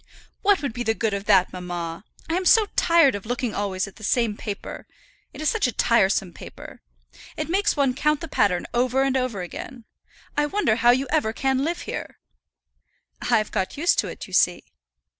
"What would be the good of that, mamma? I am so tired of looking always at the same paper. It is such a tiresome paper. It makes one count the pattern over and over again. I wonder how you ever can live here." "I've got used to it, you see."